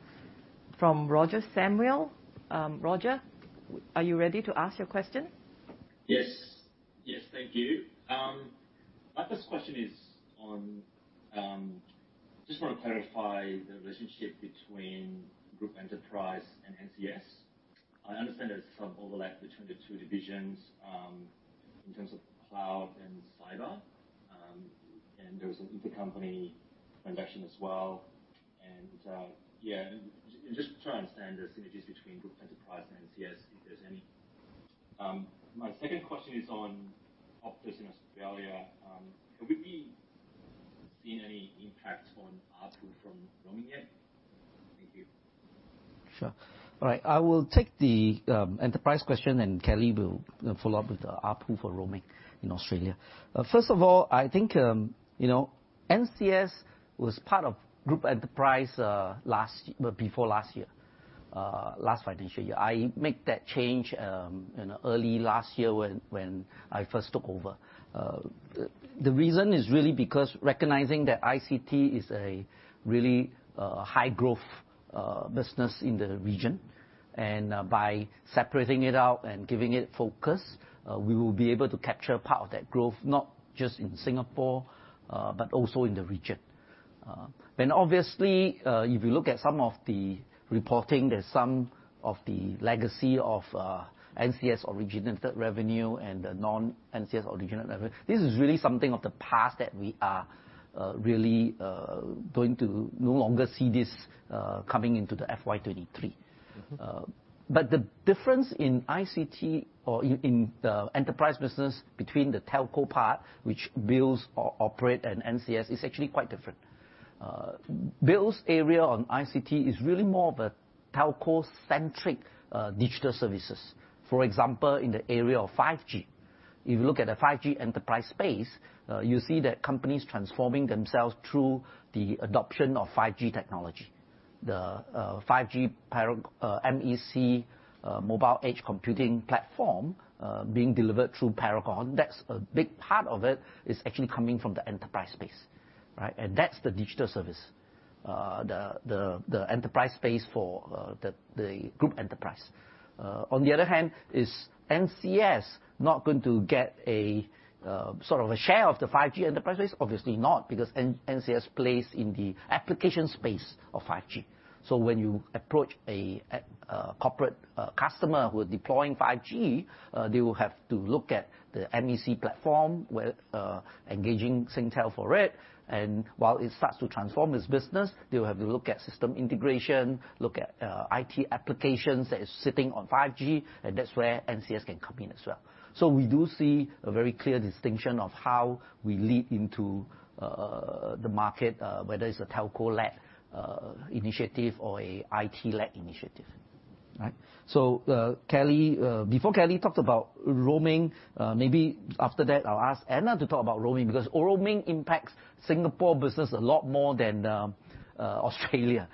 Roger Samuel. Roger, are you ready to ask your question? Thank you. My first question is on. I just want to clarify the relationship between Group Enterprise and NCS. I understand there's some overlap between the two divisions, in terms of cloud and cyber, and there was an intercompany transaction as well. Just trying to understand the synergies between Group Enterprise and NCS, if there's any. My second question is on Optus in Australia. Have we been seeing any impact on ARPU from roaming yet? Thank you. Sure. All right, I will take the enterprise question, and Kelly will follow up with the ARPU for roaming in Australia. First of all, I think you know, NCS was part of Group Enterprise before last year, last financial year. I make that change you know early last year when I first took over. The reason is really because recognizing that ICT is a really high-growth business in the region, and by separating it out and giving it focus, we will be able to capture part of that growth, not just in Singapore, but also in the region. Obviously, if you look at some of the reporting, there's some of the legacy of NCS originated revenue and the non-NCS originated revenue. This is really something of the past that we are really going to no longer see this coming into the FY 2023. Mm-hmm. The difference in ICT or in the enterprise business between the telco part, which Bill operates and NCS is actually quite different. Bill's area in ICT is really more of a telco-centric digital services. For example, in the area of 5G. If you look at the 5G enterprise space, you see that companies transforming themselves through the adoption of 5G technology. The 5G Paragon, MEC, Mobile Edge Computing platform, being delivered through Paragon, that's a big part of it is actually coming from the enterprise space, right? That's the digital service. The enterprise space for the Group Enterprise. On the other hand, is NCS not going to get a sort of a share of the 5G enterprise space? Obviously not, because NCS plays in the application space of 5G. When you approach a corporate customer who are deploying 5G, they will have to look at the MEC platform with engaging Singtel for it. While it starts to transform its business, they will have to look at system integration, look at IT applications that is sitting on 5G, and that's where NCS can come in as well. We do see a very clear distinction of how we lead into the market, whether it's a telco-led initiative or an IT-led initiative. Right? Kelly, before Kelly talked about roaming, maybe after that I'll ask Anna to talk about roaming, because roaming impacts Singapore business a lot more than Australia.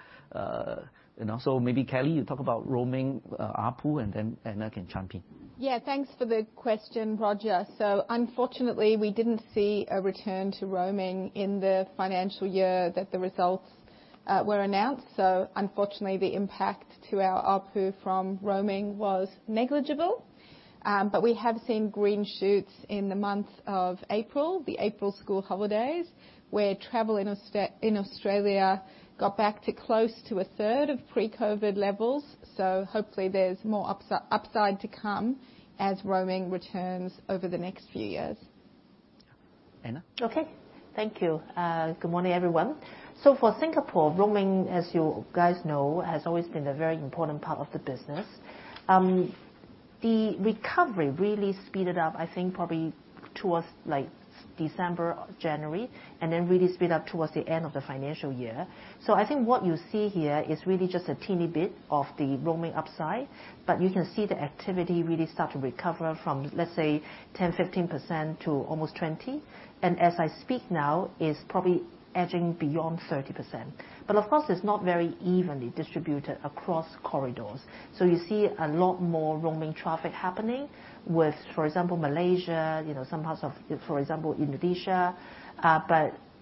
Also maybe Kelly, you talk about roaming, ARPU, and then Anna can chime in. Yeah. Thanks for the question, Roger. Unfortunately, we didn't see a return to roaming in the financial year that the results were announced. Unfortunately, the impact to our ARPU from roaming was negligible. We have seen green shoots in the month of April, the April school holidays, where travel in Australia got back to close to a third of pre-COVID levels. Hopefully there's more upside to come as roaming returns over the next few years. Anna? Okay. Thank you. Good morning, everyone. For Singapore roaming, as you guys know, has always been a very important part of the business. The recovery really speeded up, I think probably towards like December or January, and then really speed up towards the end of the financial year. I think what you see here is really just a teeny bit of the roaming upside, but you can see the activity really start to recover from, let's say, 10%-15% to almost 20%. As I speak now, it's probably edging beyond 30%. Of course it's not very evenly distributed across corridors. You see a lot more roaming traffic happening with, for example, Malaysia, you know, some parts of, for example, Indonesia.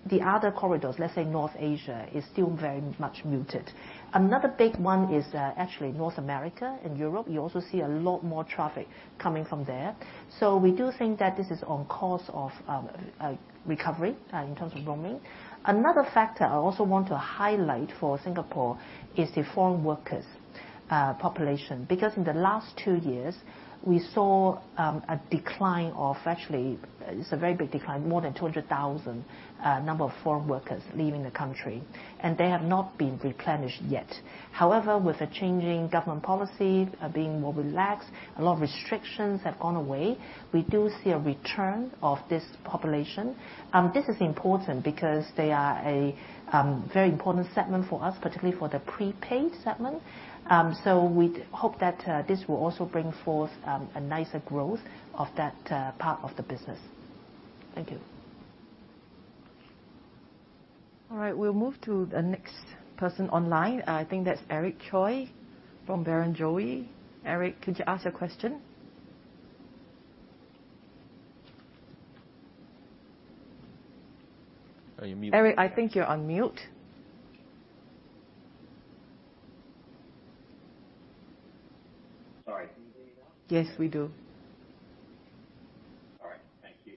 The other corridors, let's say North Asia, is still very much muted. Another big one is actually North America and Europe. You also see a lot more traffic coming from there. We do think that this is on course for recovery in terms of roaming. Another factor I also want to highlight for Singapore is the foreign workers population. Because in the last two years we saw a decline of actually it's a very big decline, more than 200,000 number of foreign workers leaving the country, and they have not been replenished yet. However, with the changing government policy being more relaxed, a lot of restrictions have gone away. We do see a return of this population. This is important because they are a very important segment for us, particularly for the prepaid segment. We hope that this will also bring forth a nicer growth of that part of the business. Thank you. All right. We'll move to the next person online. I think that's Eric Choi from Barrenjoey. Eric, could you ask your question? Are you mute? Eric, I think you're on mute. Sorry. Yes, we do. All right. Thank you.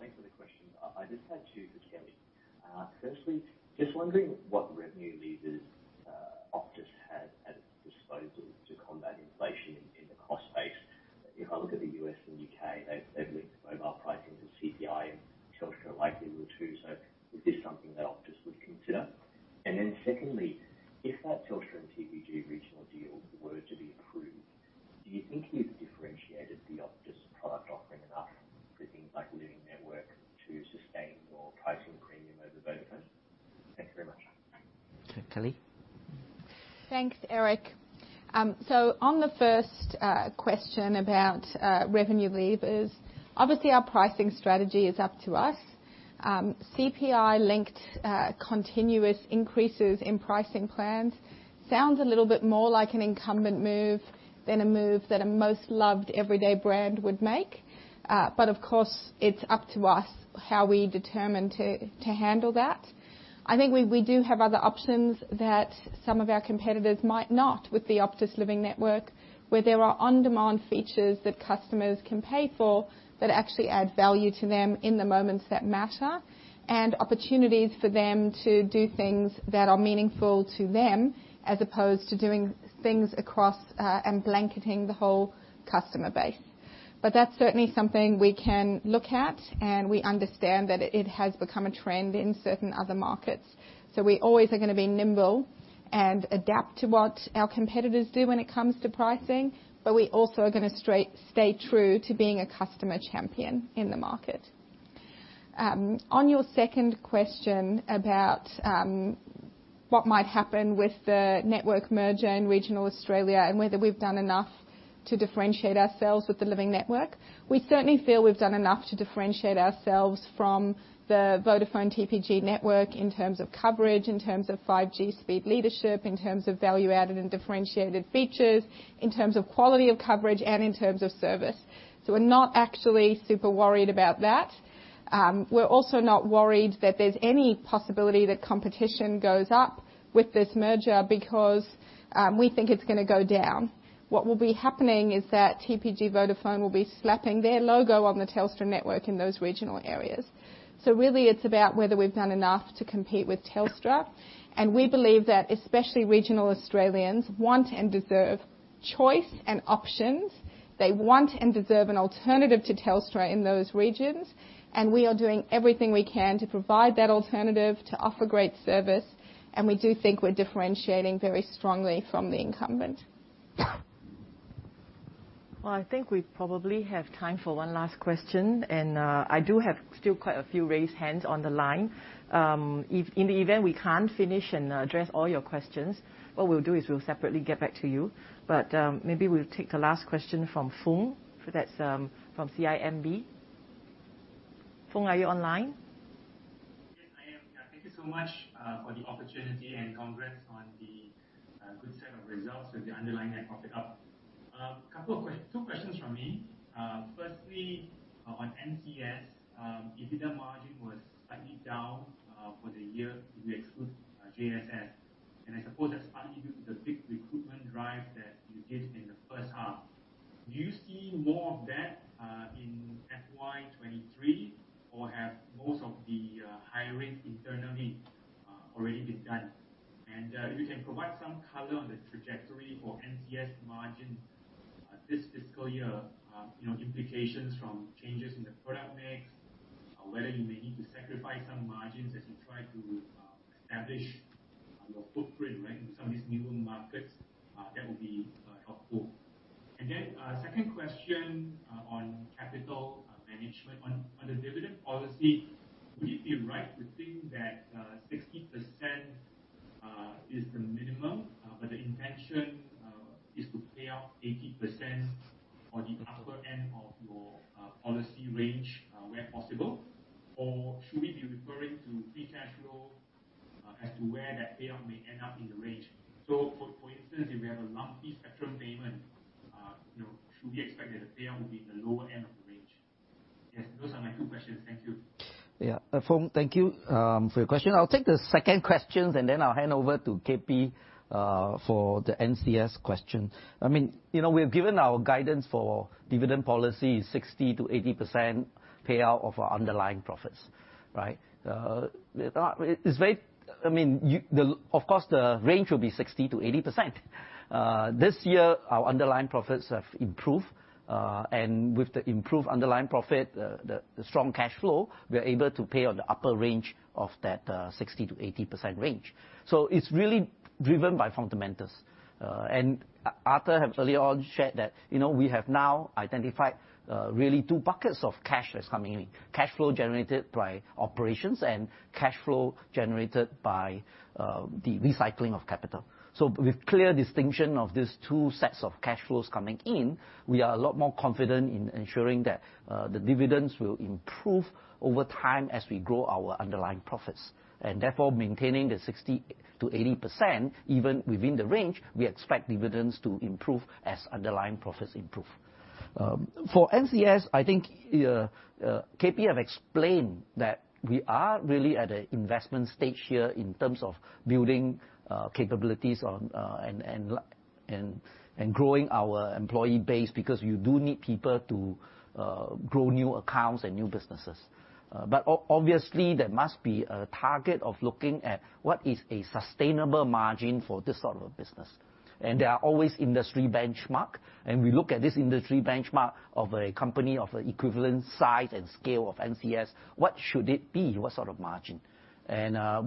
Thanks for the question. I just had two for Kelly. Firstly, just wondering what revenue levers Optus has at its disposal to combat inflation in the cost base. If I look at the U.S. and U.K., they've linked mobile pricing to CPI and Telstra likely will too. So is this something that Optus would consider? And then secondly, if that Telstra and TPG regional deal were to be approved, do you think you've differentiated the Optus product offering enough for things like Living Network to sustain your pricing premium over Vodafone? Thanks very much. Kelly. Thanks, Eric. On the first question about revenue levers, obviously our pricing strategy is up to us. CPI-linked continuous increases in pricing plans sounds a little bit more like an incumbent move than a move that a most loved everyday brand would make. Of course, it's up to us how we determine to handle that. I think we do have other options that some of our competitors might not with the Optus Living Network, where there are on-demand features that customers can pay for that actually add value to them in the moments that matter, and opportunities for them to do things that are meaningful to them, as opposed to doing things across and blanketing the whole customer base. That's certainly something we can look at, and we understand that it has become a trend in certain other markets. We always are gonna be nimble and adapt to what our competitors do when it comes to pricing, but we also are gonna stay true to being a customer champion in the market. On your second question about what might happen with the network merger in regional Australia and whether we've done enough to differentiate ourselves with the Living Network, we certainly feel we've done enough to differentiate ourselves from the Vodafone TPG network in terms of coverage, in terms of 5G speed leadership, in terms of value added and differentiated features, in terms of quality of coverage and in terms of service. We're not actually super worried about that. We're also not worried that there's any possibility that competition goes up with this merger because we think it's gonna go down. What will be happening is that TPG Telecom will be slapping their logo on the Telstra network in those regional areas. Really it's about whether we've done enough to compete with Telstra, and we believe that especially regional Australians want and deserve choice and options. They want and deserve an alternative to Telstra in those regions, and we are doing everything we can to provide that alternative, to offer great service, and we do think we're differentiating very strongly from the incumbent. Well, I think we probably have time for one last question, and I do have still quite a few raised hands on the line. If in the event we can't finish and address all your questions, what we'll do is we'll separately get back to you. Maybe we'll take the last question from Fong. That's from CIMB. Fong, are you online? Yes, I am. Yeah, thank you so much for the opportunity, and congrats on the good set of results with the underlying net profit up. Two questions from me. Firstly, on NCS, EBITDA margin was slightly down for the year if you exclude JSS. I suppose that's partly due to the big recruitment drive that you did in the first half. Do you see more of that in FY 2023, or have most of the hiring internally already been done? If you can provide some color on the trajectory for NCS margin this fiscal year, you know, implications from changes in the product mix, whether you may need to sacrifice some margins as you try to establish your footprint, right, in some of these newer markets, that would be helpful. Second question on capital management. On the dividend policy, would it be right to think that 60% is the minimum, but the intention is to pay out 80% or the upper end of your policy range where possible? Or should we be referring to free cash flow as to where that payout may end up in the range? For instance, if we have a lumpy spectrum payment, you know, should we expect that the payout will be in the lower end of the range? Yes. Those are my two questions. Thank you. Yeah. Fong, thank you for your question. I'll take the second questions, and then I'll hand over to KP for the NCS question. I mean, you know, we have given our guidance for dividend policy 60%-80% payout of our underlying profits, right? Of course, the range will be 60%-80%. This year, our underlying profits have improved. And with the improved underlying profit, the strong cash flow, we are able to pay on the upper range of that 60%-80% range. So it's really driven by fundamentals. And Arthur have early on shared that, you know, we have now identified really two buckets of cash that's coming in. Cash flow generated by operations and cash flow generated by the recycling of capital. With clear distinction of these two sets of cash flows coming in, we are a lot more confident in ensuring that the dividends will improve over time as we grow our underlying profits, and therefore, maintaining the 60%-80% even within the range, we expect dividends to improve as underlying profits improve. For NCS, I think KP have explained that we are really at an investment stage here in terms of building capabilities and growing our employee base, because you do need people to grow new accounts and new businesses. But obviously, there must be a target of looking at what is a sustainable margin for this sort of a business. There are always industry benchmarks, and we look at this industry benchmark of a company of equivalent size and scale of NCS. What should it be? What sort of margin?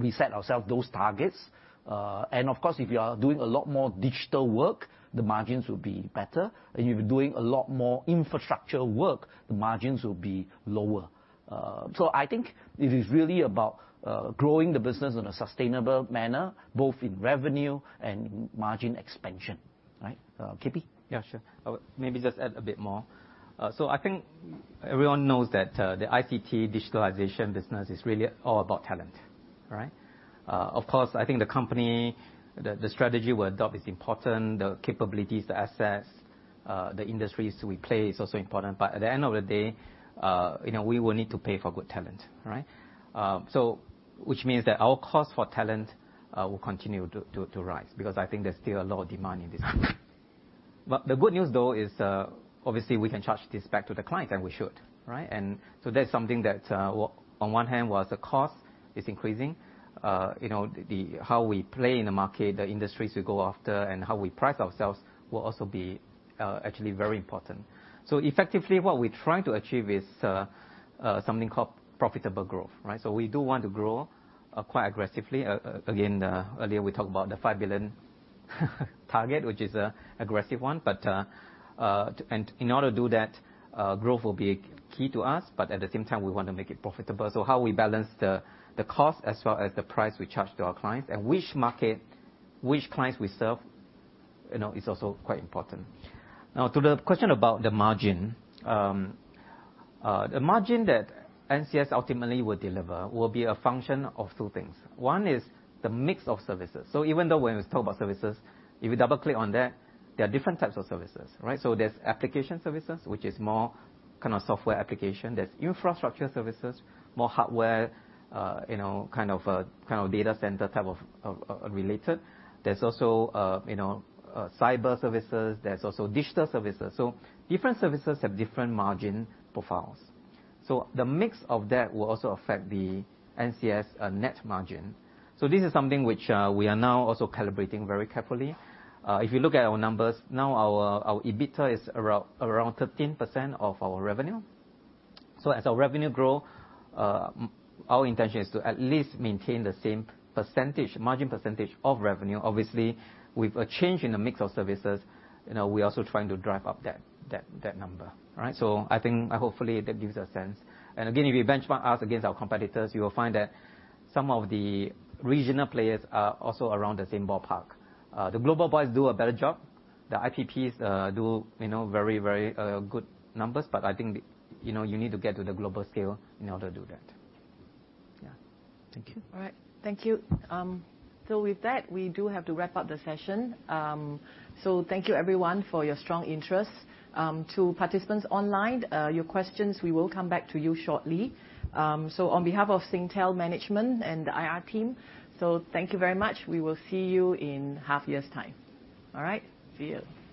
We set ourselves those targets. Of course, if you are doing a lot more digital work, the margins will be better. If you're doing a lot more infrastructure work, the margins will be lower. I think it is really about growing the business in a sustainable manner, both in revenue and margin expansion, right? KP. Yeah, sure. I would maybe just add a bit more. So I think everyone knows that, the ICT digitalization business is really all about talent, right? Of course, I think the company, the strategy we adopt is important. The capabilities, the assets, the industries we play is also important. But at the end of the day, you know, we will need to pay for good talent, right? So which means that our cost for talent, will continue to rise, because I think there's still a lot of demand in this space. But the good news, though, is, obviously we can charge this back to the client, and we should, right? That's something that, on one hand, while the cost is increasing, you know, the how we play in the market, the industries we go after, and how we price ourselves will also be, actually very important. Effectively, what we're trying to achieve is, something called profitable growth, right? We do want to grow, quite aggressively. Again, earlier, we talked about the 5 billion target, which is an aggressive one. And in order to do that, growth will be key to us, but at the same time we want to make it profitable. How we balance the cost as well as the price we charge to our clients and which market, which clients we serve, you know, is also quite important. Now, to the question about the margin. The margin that NCS ultimately will deliver will be a function of two things. One is the mix of services. Even though when we talk about services, if you double-click on that, there are different types of services, right? There's application services, which is more kind of software application. There's infrastructure services, more hardware, you know, kind of data center type of related. There's also you know cyber services. There's also digital services. Different services have different margin profiles. The mix of that will also affect the NCS net margin. This is something which we are now also calibrating very carefully. If you look at our numbers, now our EBITDA is around 13% of our revenue. As our revenue grow, our intention is to at least maintain the same percentage, margin percentage of revenue. Obviously, with a change in the mix of services, you know, we're also trying to drive up that number. Right? I think, hopefully, that gives a sense. Again, if you benchmark us against our competitors, you will find that some of the regional players are also around the same ballpark. The global boys do a better job. The IPPs do, you know, very good numbers. I think, you know, you need to get to the global scale in order to do that. Yeah. Thank you. All right. Thank you. With that, we do have to wrap up the session. Thank you, everyone, for your strong interest. To participants online, your questions, we will come back to you shortly. On behalf of Singtel management and the IR team, thank you very much. We will see you in half year's time. All right, see you.